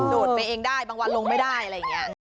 โดดไปเองได้บางวันลงไม่ได้อะไรอย่างนี้